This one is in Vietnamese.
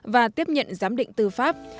và tiếp nhận giám định tư pháp